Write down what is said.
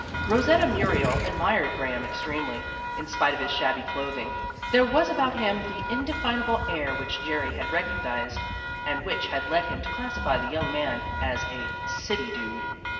Rosetta Muriel admired Graham extremely. In spite of his shabby clothing, there was about him the indefinable air which Jerry had recognized and which had led him to classify the young man as a "city dude."